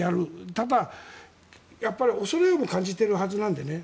ただ、恐れも感じているはずなんでね。